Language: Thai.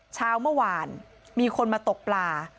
เช้าเมื่อวานมีคนมาตกปลา